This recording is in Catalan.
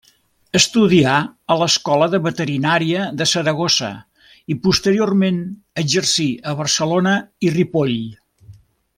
Estudià a l'Escola de Veterinària de Saragossa, i posteriorment exercí a Barcelona i Ripoll.